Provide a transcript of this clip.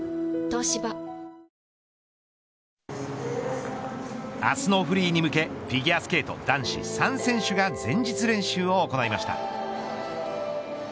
東芝明日のフリーに向けフィギュアスケート男子３選手が前日練習を行いました。